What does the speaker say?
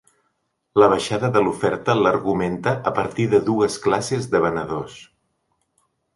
La baixada de l’oferta l’argumenta a partir de dues classes de venedors.